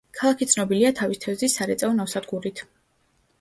ქალაქი ცნობილია თავის თევზის სარეწაო ნავსადგურით.